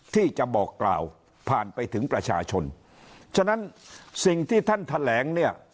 ที่จะบอกกล่าวผ่านไปถึงประชาชนฉะนั้นสิ่งที่ท่านแถลงเนี่ย